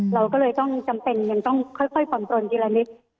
เราก็เลยต้องจำเป็นยังต้องค่อยผ่อนปลนทีละนิด